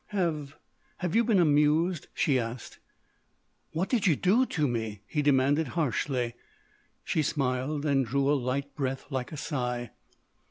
"Have—have you been amused?" she asked. "What did you do to me!" he demanded harshly. She smiled and drew a light breath like a sigh.